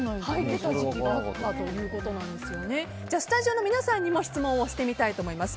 では、スタジオの皆さんにも質問をしてみたいと思います。